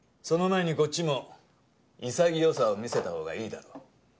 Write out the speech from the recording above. その前にこっちも潔さを見せたほうがいいだろう。